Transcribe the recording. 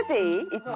１個。